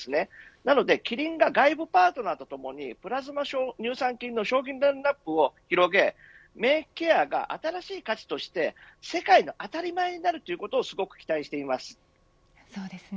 なので、キリンが外部パートナーと共にプラズマ乳酸菌の商品ラインアップを広げ免疫ケアが新しい価値として世界の当たり前になることをすごく期待したいと思います。